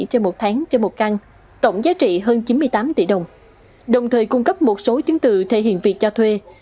trên một tháng trên một căn tổng giá trị hơn chín mươi tám tỷ đồng đồng thời cung cấp một số chứng tự thể hiện việc cho thuê